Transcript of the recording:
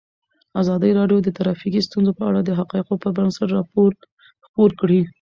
ازادي راډیو د ټرافیکي ستونزې په اړه د حقایقو پر بنسټ راپور خپور کړی.